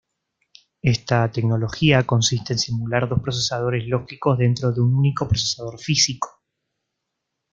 Ésta tecnología consiste en simular dos procesadores lógicos dentro de un único procesador físico.